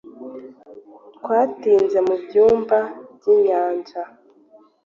Twatinze mu byumba byinyanja